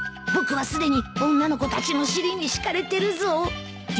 僕はすでに女の子たちの尻に敷かれてるぞ